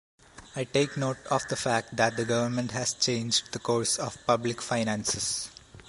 I take note of the fact that the Government has changed the course of public finances.